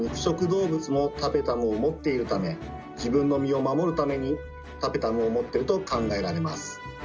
動物もタペタムを持っているため自分の身を守るためにタペタムを持ってると考えられます。